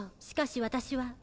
しかし私は」